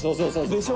でしょ？